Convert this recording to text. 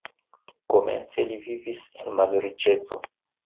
Komence li vivis en malriĉeco.